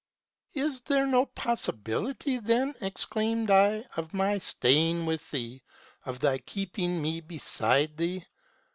"' Is there not any possibility,' exclaimed I, ' of my staying with thee, of thy keeping me beside thee